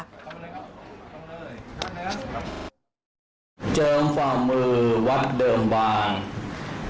ก็เป็นเรื่องของความเชื่อความศรัทธาเป็นการสร้างขวัญและกำลังใจ